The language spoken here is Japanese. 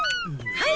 はい！